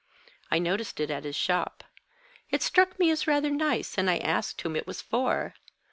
I noticed it at his shop. It struck me as rather nice, and I asked whom it was for.